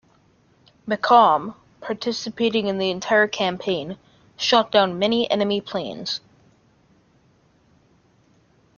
"Macomb", participating in the entire campaign, shot down many enemy planes.